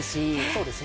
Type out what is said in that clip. そうですね。